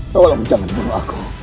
tolong jangan bunuh aku